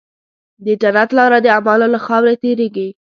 د جنت لاره د اعمالو له خاورې تېرېږي.